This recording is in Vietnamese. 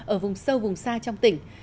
ở vùng sâu vùng xa trong tỉnh